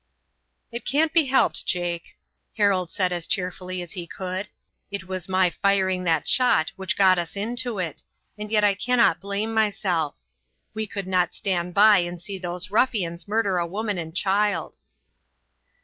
"It can't be helped, Jake," Harold said as cheerfully as he could. "It was my firing that shot which got us into it, and yet I cannot blame myself. We could not stand by and see those ruffians murder a woman and child."